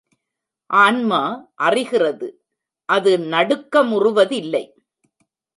ஆன்மா அறிகிறது அது நடுக்கமுறுவதில்லை.